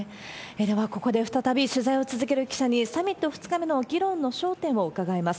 ではここで、再び、取材を続ける記者に、サミット２日目の議論の焦点を伺います。